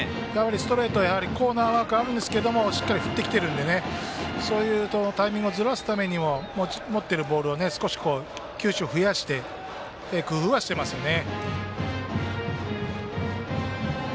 ストレートコーナーワークあるんですけどしっかり振ってきているのでタイミングをずらすためにも持っているボールを少し球種を増やして工夫はしていますよね。